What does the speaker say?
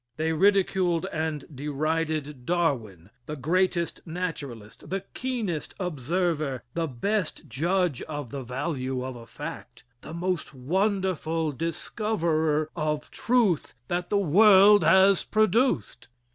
They ridiculed and derided Darwin, the greatest naturalist, the keenest observer, the best judge of the value of a fact, the most wonderful discoverer of truth that the world has produced.